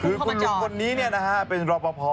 คือกุ้งรุกนี้นะฮะเป็นรอปะลอบ